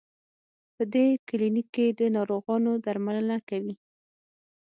په دې کلینک کې د ناروغانو درملنه کوي.